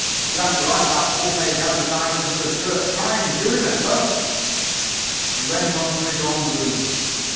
You have to write that full page advertisement for the 'Church Times,' you remember." He went on to his own room.